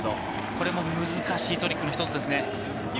これも難しいトリックの一つです。